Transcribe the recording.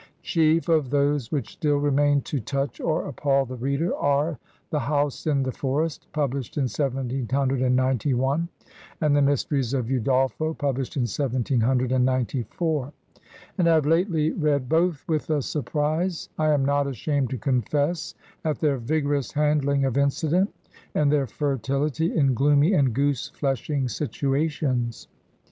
Chief of those which still remain to touch or appall the reader, are ''The House in the Forest," published in 1791, and "The Mysteries of Udolpho,'' pubUshed in 1794; and I have lately read both with a surprise I am not ashamed to confess at their vigorous handling of incident, and their fertility in gloomy and goose fleshing situations.